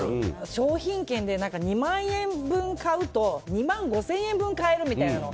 商品券で２万円分買うと２万５０００円分買えるみたいなの。